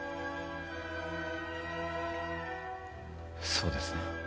そうですね？